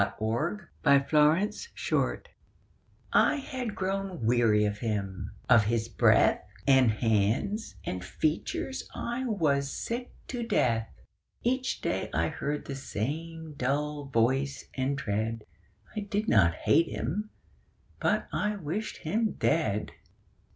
THOU SHALT NOT KILL I had grown weary of him; of his breath And hands and features I was sick to death. Each day I heard the same dull voice and tread; I did not hate him: but I wished him dead.